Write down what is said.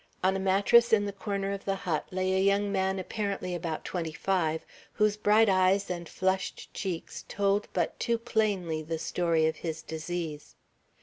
On a mattress, in the corner of the hut, lay a young man apparently about twenty five, whose bright eyes and flushed cheeks told but too plainly the story of his disease.